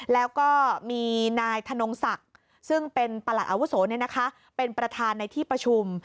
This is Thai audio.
แล้วก็มีนายธนงศักดิ์ซึ่งเป็นประหลัดอาวุโสเป็นประธานในที่ประชุม